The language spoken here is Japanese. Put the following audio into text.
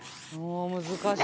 難しい。